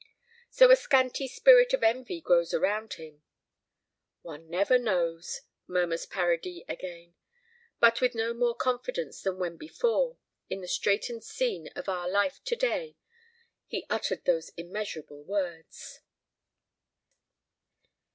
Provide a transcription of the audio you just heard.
So a scanty spirit of envy grows around him. "One never knows," murmurs Paradis again, but with no more confidence than when before, in the straitened scene of our life to day, he uttered those immeasurable words.